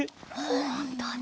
ほんとだ。